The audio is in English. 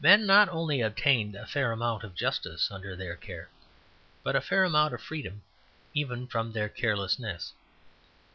Men not only obtained a fair amount of justice under their care, but a fair amount of freedom even from their carelessness.